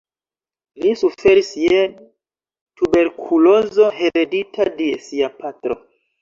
Li suferis je tuberkulozo heredita de sia patro.